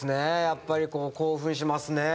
やっぱりこう興奮しますね。